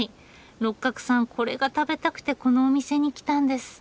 六角さんこれが食べたくてこのお店に来たんです。